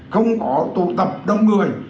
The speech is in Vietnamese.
không có tụ tập đông người